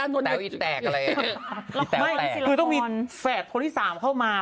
ไม่คือต้องมีแฝดคนที่สามเข้ามา